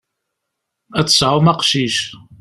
Ad d-tesɛum aqcic.